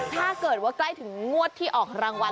ถ้าเกิดว่าใกล้ถึงงวดที่ออกรางวัล